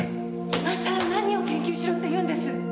今さら何を研究しろって言うんです！